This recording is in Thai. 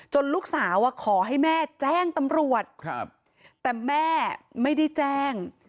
ลูกสาวขอให้แม่แจ้งตำรวจแต่แม่ไม่ได้แจ้ง